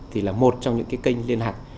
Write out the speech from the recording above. thì là một trong những cái kênh liên hạc